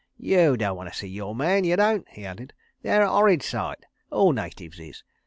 "You don' want to see yore men, you don't," he added. "They're a 'orrid sight. ... All natives is. .